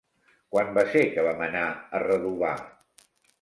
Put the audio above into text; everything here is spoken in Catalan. Quan va ser que vam anar a Redovà?